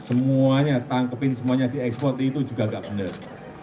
semuanya tangkepin semuanya diekspor itu juga gak bener